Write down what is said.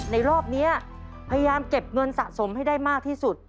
รอบนี้พยายามเก็บเงินสะสมให้ได้มากที่สุด